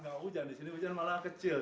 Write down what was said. nggak hujan di sini hujan malah kecil